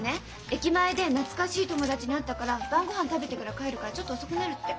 駅前で懐かしい友達に会ったから晩御飯食べてから帰るからちょっと遅くなるって。